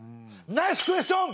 ナイスクエスション！